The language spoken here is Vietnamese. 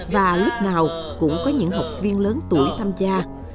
và lớp nào cũng có những học viên lớn tuổi tham gia